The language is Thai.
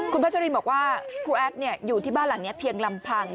คุณพัชรินบอกว่าครูแอดอยู่ที่บ้านหลังนี้เพียงลำพัง